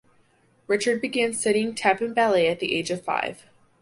Richert began studying tap and ballet at the age of five.